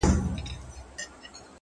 چي لــه ژړا سره خبـري كوم،